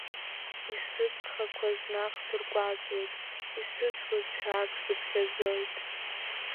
Исыгхақәаз наҟ сырҟәаҵуеит, исыцлаз ҳәа ак сыԥхьаӡоит.